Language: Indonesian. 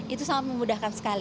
itu sangat memudahkan sekali